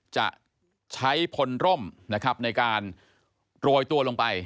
จะใช้พลร่มนะครับในการโรยตัวลงไป